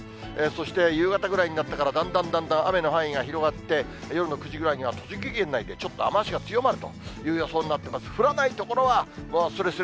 そして夕方ぐらいになってから、だんだんだんだん雨の範囲が広がって、夜の９時ぐらいには栃木県内でちょっと雨足が強まるという予想になっています。